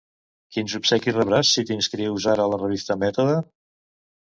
Quins obsequis rebràs si t'inscrius ara la revista Mètode?